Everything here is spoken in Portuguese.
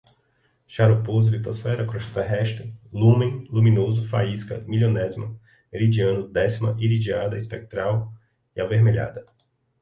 xaroposo, litosfera, crosta terrestre, lúmen, luminoso, faísca, milionésima, meridiano, décima, iridiada, espectral, avermelhada